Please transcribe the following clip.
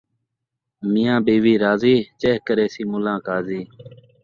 میاں بیوی راضی ، چہ کریسی ملّاں قاضی